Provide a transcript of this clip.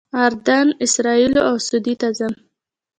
اردن، اسرائیلو او سعودي ته ځم.